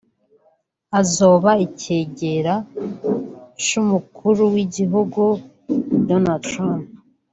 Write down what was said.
azoba icegera c'umukuru w'igihugu Donald Trump